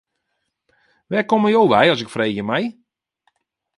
Wêr komme jo wei as ik freegje mei.